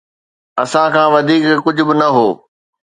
اسان کان وڌيڪ ڪجهه به نه هو